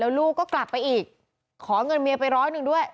ลูกก็กลับไปอีกขอเงินเมียไปร้อยหนึ่งด้วย